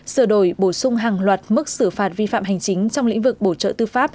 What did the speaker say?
sửa đổi bổ sung hàng loạt mức xử phạt vi phạm hành chính trong lĩnh vực bổ trợ tư pháp